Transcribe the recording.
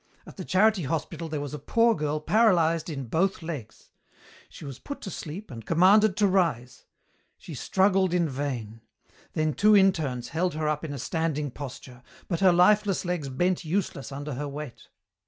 At the charity hospital there was a poor girl paralyzed in both legs. She was put to sleep and commanded to rise. She struggled in vain. Then two interns held her up in a standing posture, but her lifeless legs bent useless under her weight.